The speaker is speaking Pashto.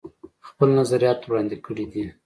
خپل نظريات وړاندې کړي دي